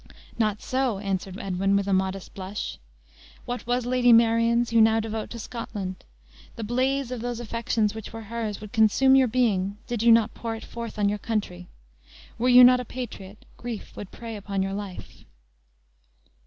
"Not so," answered Edwin, with a modest blush; "what was Lady Marion's, you now devote to Scotland. The blaze of those affections which were hers, would consume your being, did you not pour it forth on your country. Were you not a patriot, grief would prey upon your life."